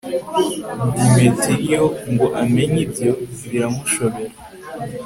demetiriyo ngo amenye ibyo biramushobera